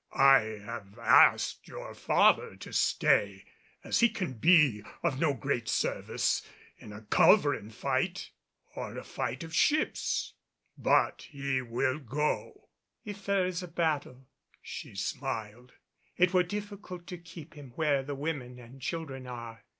I have asked your father to stay, as he can be of no great service in a culverin fight, or a fight of ships. But he will go." "If there is a battle," she smiled, "it were difficult to keep him where the women and children are.